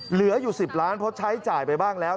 เหลืออยู่๑๐ล้านเพราะใช้จ่ายไปบ้างแล้ว